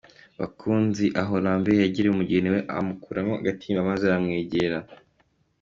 bakunzi aho Lambert yegereye umugeni we amukuramo agatimba maze aramwegera.